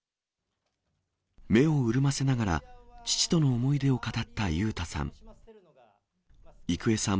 目を潤ませながら、父との思い出を語った裕太さん。